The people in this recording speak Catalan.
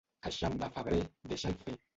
Eixam de febrer, deixa'l fer.